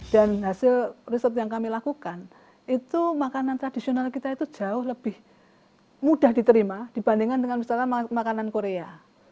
dan hasil riset yang kami lakukan itu makanan tradisional kita itu jauh lebih mudah diterima dibandingkan dengan misalnya makanan korea